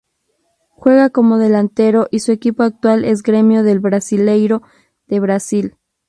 Juega como delantero y su equipo actual es Grêmio del Brasileirão de Brasil.